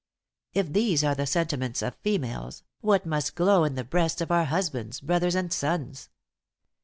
If these are the sentiments of females, what must glow in the breasts of our husbands, brothers, and sons!